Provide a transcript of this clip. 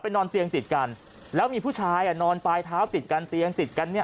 นอนเตียงติดกันแล้วมีผู้ชายอ่ะนอนปลายเท้าติดกันเตียงติดกันเนี่ย